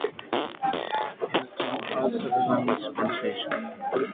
The town has a sizable Amish population.